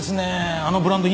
あのブランド品